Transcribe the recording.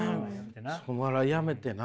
お笑いやめてな。